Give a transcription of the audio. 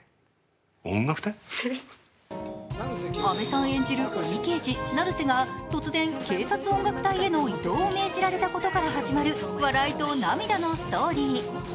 阿部さん演じる鬼刑事・成瀬が突然、警察音楽隊への異動を命じられたことから始まる笑いと涙のストーリー。